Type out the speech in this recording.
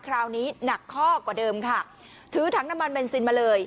คราวนี้หนักข้อกว่าเดิมค่ะถือถังน้ำมันเบนซินมาเลย